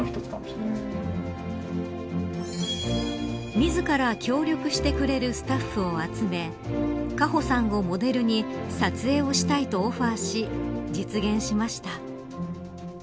自ら協力してくれるスタッフを集め果歩さんをモデルに撮影をしたいとオファーし実現しました。